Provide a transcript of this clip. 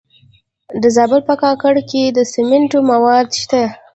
د زابل په کاکړ کې د سمنټو مواد شته.